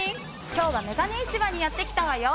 今日は眼鏡市場にやって来たわよ。